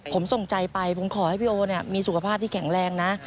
ผมส่งใจไปผมขอให้พี่โอมีสุขภาพที่แข็งแรงนะ